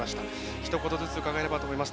ひと言ずつ伺えればと思います。